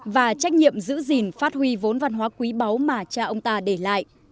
và trách nhiệm giữ gìn phát huy vốn văn hóa quý báu mà cha ông ta để lại